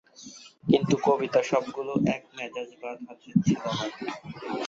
কিন্তু কবিতা সবগুলো এক মেজাজ বা ধাঁচের ছিল না।